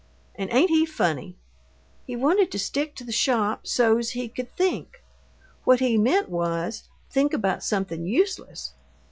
And ain't he funny? He wanted to stick to the shop so's he could 'think'! What he meant was, think about something useless.